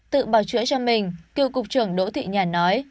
tự bảo chữa cho mình cựu cục trưởng đỗ thị nhàn nói